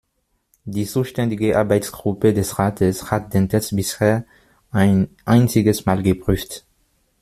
Die zuständige Arbeitsgruppe des Rates hat den Text bisher ein einziges Mal geprüft.